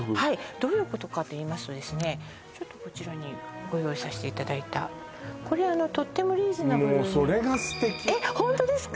どういうことかといいますとちょっとこちらにご用意させていただいたこれあのとってもリーズナブルにもうそれが素敵ほんとですか？